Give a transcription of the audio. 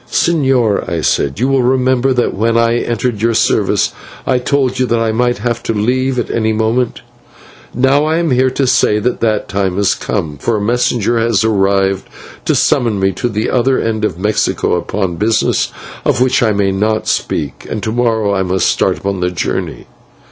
"Señor," I said, "you will remember that when I entered your service I told you that I might have to leave it at any moment. Now I am here to say that the time is come, for a messenger has arrived to summon me to the other end of Mexico upon business of which I may not speak, and to morrow I must start upon the journey."